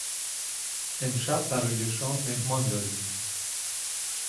امشب برای شام مهمان داریم.